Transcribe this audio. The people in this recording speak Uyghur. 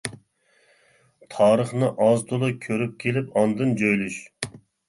تارىخنى ئاز تولا كۆرۈپ كېلىپ ئاندىن جۆيلۈش!